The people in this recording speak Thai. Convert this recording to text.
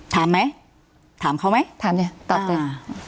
ถามไหมถามเขาไหมถามเนี่ยตอบเลย